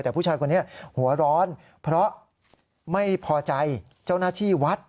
แต่ผู้ชายคนนี้หัวร้อนเพราะไม่พอใจเจ้าหน้าที่วัด